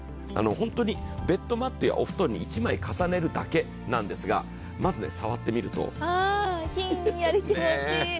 本当にベッドマットやお布団に１枚重ねるだけなんですが、まず触ってみるとひんやり気持ちいい。